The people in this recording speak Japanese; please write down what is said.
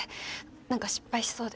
何か失敗しそうで。